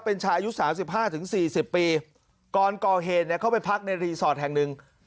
เป็นชายอายุ๓๕๔๐ปีก่อนก่อเฮนเข้าไปพักในรีสอร์ทแห่งนึง